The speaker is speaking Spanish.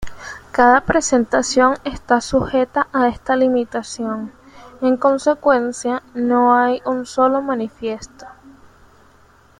Cada presentación está sujeta a esta limitación, en consecuencia, no hay un solo manifiesto.